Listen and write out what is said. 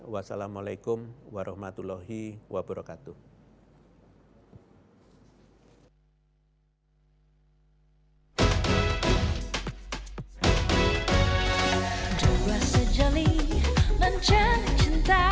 wassalamualaikum warahmatullahi wabarakatuh